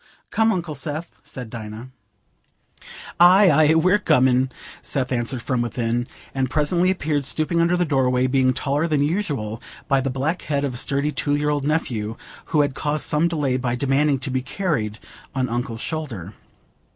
"Come, Uncle Seth," said Dinah. "Aye, aye, we're coming," Seth answered from within, and presently appeared stooping under the doorway, being taller than usual by the black head of a sturdy two year old nephew, who had caused some delay by demanding to be carried on uncle's shoulder.